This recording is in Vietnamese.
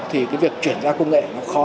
thì cái việc chuyển giao công nghệ nó khó